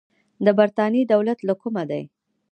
د برتانیې دولت له کومه دی.